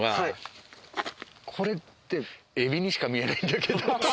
これってエビにしか見えないんだけど。